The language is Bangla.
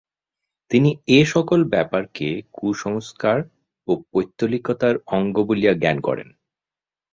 তিনি এ-সকল ব্যাপারকে কুসংস্কার ও পৌত্তলিকতার অঙ্গ বলিয়া জ্ঞান করেন।